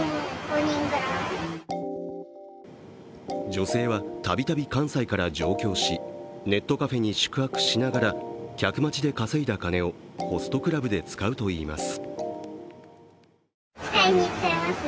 女性は度々関西から上京しネットカフェに宿泊しながら客待ちで稼いだ金をホストクラブで使うといいます。